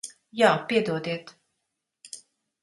Jā. Piedodiet.